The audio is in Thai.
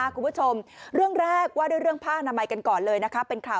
คุณผู้ชมเรื่องแรกว่าด้วยเรื่องผ้านามัยกันก่อนเลยนะคะ